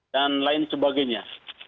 dan lain sebagainya